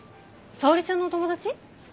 沙織ちゃんのお友達？